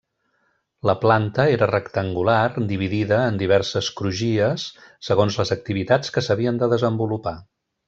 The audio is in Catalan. La planta era rectangular dividida en diverses crugies segons les activitats que s'havien de desenvolupar.